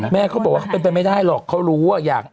เขาบอกว่าเขาเป็นไปไม่ได้หรอกเขารู้ว่าอยาก